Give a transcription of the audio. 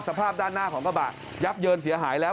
สภาพด้านหน้าของกระบะยับเยินเสียหายแล้ว